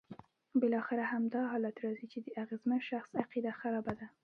بالاخره همدا حالت راځي چې د اغېزمن شخص عقیده خرابه ده.